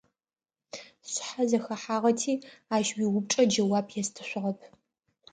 Сшъхьэ зэхэхьагъэти ащ иупчӀэ джэуап естышъугъэп.